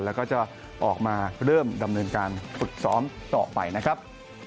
แล้วก็จะออกมาเริ่มดำเนินการฝึกซ้อมต่อไปนะครับ